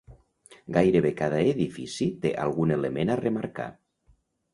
Gairebé cada edifici té algun element a remarcar.